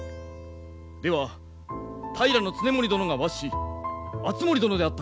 では平経盛殿が末子敦盛殿であったか！